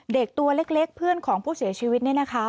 เด็กตัวเล็กเพื่อนของผู้เสียชีวิต